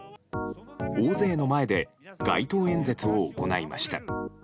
大勢の前で街頭演説を行いました。